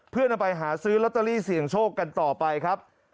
เพื่อนำไปหาซื้อลอตเตอรี่เสี่ยงโชคกันต่อไปครับ